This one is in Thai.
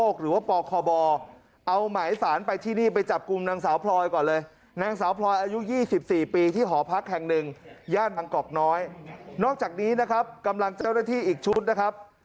นอกจากนี้นะครับกำลังเจ้าหน้าที่อีกชุดนะครับ